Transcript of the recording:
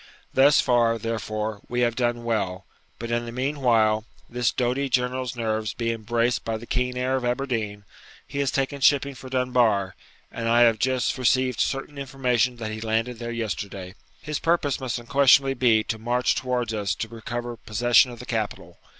Thus far, therefore, we have done well; but, in the meanwhile, this doughty general's nerves being braced by the keen air of Aberdeen, he has taken shipping for Dunbar, and I have just received certain information that he landed there yesterday. His purpose must unquestionably be to march towards us to recover possession of the capital.